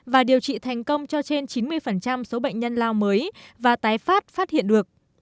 và điều trị thành công cho trên chín mươi số bệnh nhân lao mới và tái phát phát hiện được